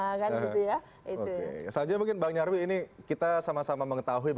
oke selanjutnya mungkin bang nyarwi ini kita sama sama mengetahui